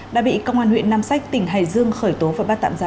đã bị công an huyện nam sách tỉnh hải dương khởi tố và bắt tạm ra